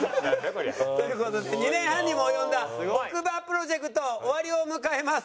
こりゃ。という事で２年半にも及んだ奥歯プロジェクト終わりを迎えます。